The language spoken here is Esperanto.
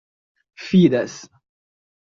fidas